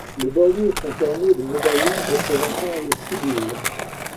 Les bordures sont ornées de médaillons représentant les Sibylles.